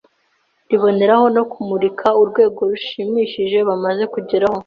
riboneraho no kumurika urwego rushimishije bamaze kugeraho